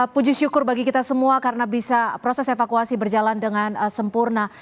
puji syukur bagi kita semua karena bisa proses evakuasi berjalan dengan sempurna